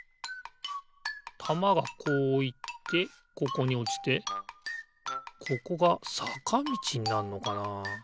たまがこういってここにおちてここがさかみちになんのかな？